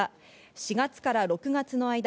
４月から６月の間